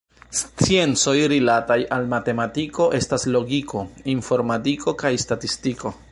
Sciencoj rilataj al matematiko estas logiko, informadiko kaj statistiko.